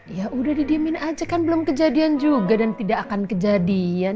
ya udah didiemin aja kan belum kejadian juga dan tidak akan kejadian